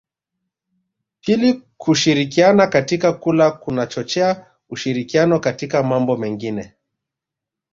Pili kushirikiana katika kula kunachochea ushirikiano katika mambo mengine